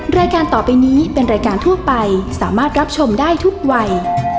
รายการต่อไปนี้เป็นรายการทั่วไปสามารถรับชมได้ทุกวัย